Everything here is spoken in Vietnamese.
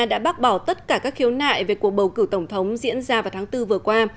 đã bác bỏ tất cả các khiếu nại về cuộc bầu cử tổng thống diễn ra vào tháng bốn vừa qua